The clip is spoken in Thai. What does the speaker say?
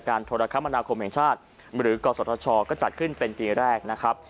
โทรคมนาคมแห่งชาติหรือกศธชก็จัดขึ้นเป็นปีแรกนะครับ